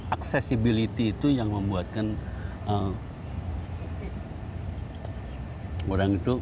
aksesibilitas itu yang membuatkan